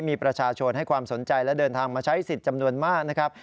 มีประชาชนให้ความสนใจและเดินทางมาใช้สิทธิ์จำนวนมากนะครับ